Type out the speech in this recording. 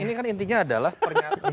ini kan intinya adalah pernyataan